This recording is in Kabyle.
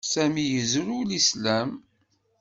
Sami yezrew Lislam.